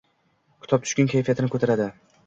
Kitob tushkun kayfiyatni koʻtaradi...